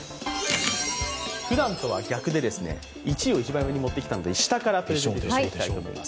ｌふだんとは逆で、１位を一番上に持ってきたので下からプレゼンしていきたいと思います。